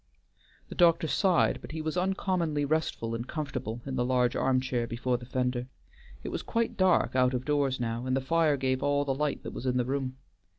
The doctor sighed, but he was uncommonly restful and comfortable in the large arm chair before the fender. It was quite dark out of doors now, and the fire gave all the light that was in the room.